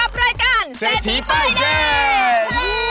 กับรายการเศรษฐีไปเด้น